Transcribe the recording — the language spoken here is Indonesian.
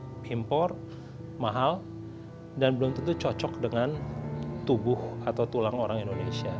yang impor mahal dan belum tentu cocok dengan tubuh atau tulang orang indonesia